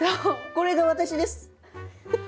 これが私です。